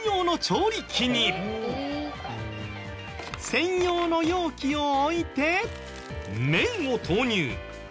専用の容器を置いて麺を投入。